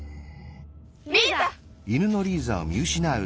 リーザ！